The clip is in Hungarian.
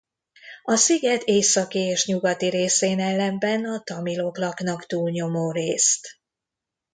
A sziget északi és nyugati részén ellenben a tamilok laknak túlnyomó részt.